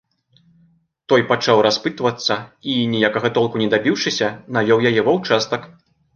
Той пачаў распытвацца і, ніякага толку не дабіўшыся, навёў яе ва ўчастак.